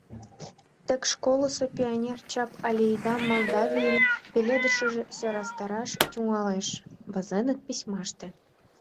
«...Тек школысо Пионер чап аллейдам Молдавийын пеледышыже сӧрастараш тӱҥалеш», — возеныт письмаште.